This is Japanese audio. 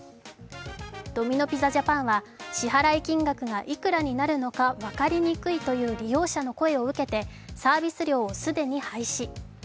ドミノ・ピザジャパンは支払金額がいくらになるのか分かりにくいという利用者の声を受けて、サービス料を既に廃止。